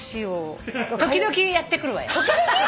時々やって来るわよ。